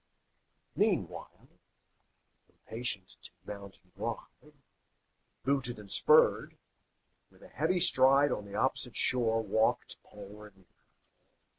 Meanwhile, impatient to mount and ride, Booted and spurred, with a heavy stride On the opposite shore walked Paul Revere.